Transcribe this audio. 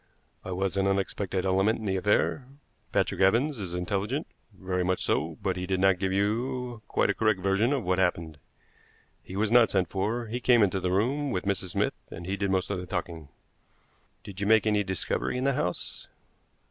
I was an unexpected element in the affair. Patrick Evans is intelligent very much so; but he did not give you quite a correct version of what happened. He was not sent for; he came into the room with Mrs. Smith and he did most of the talking." "Did you make any discovery in the house?"